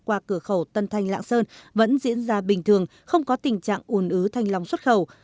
qua cửa khẩu tân thanh lạng sơn vẫn diễn ra bình thường không có tình trạng ủn ứ thanh long xuất khẩu